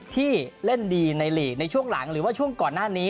ที่เล่นดีในหลีกในช่วงหลังหรือว่าช่วงก่อนหน้านี้